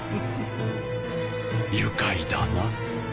愉快だな。